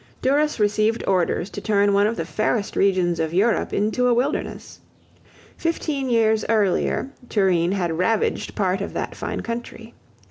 Duras received orders to turn one of the fairest regions of Europe into a wilderness. Fifteen years earlier Turenne had ravaged part of that fine country.